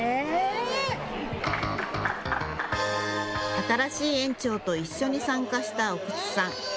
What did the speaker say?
新しい園長と一緒に参加した奥津さん。